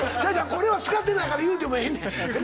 これは使ってないから言うてもええねん。